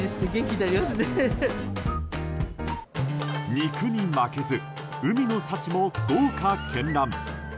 肉に負けず海の幸も豪華絢爛。